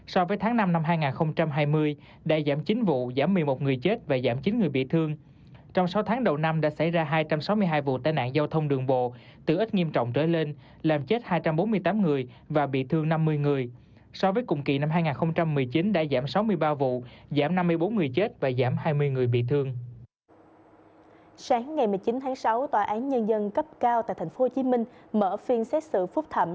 sáng ngày một mươi chín tháng sáu tòa án nhân dân cấp cao tại tp hcm mở phiên xét xử phúc thẩm